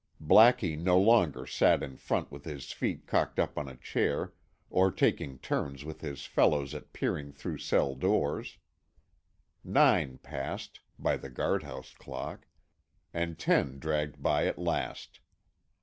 Blackie no longer sat in front with his feet cocked up on a chair, or taking turns with his fellows at peering through cell doors. Nine passed—by the guardhouse clock—and ten dragged by at last.